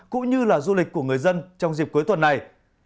cũng như là du lịch của người dân trong dịp cuối tuần này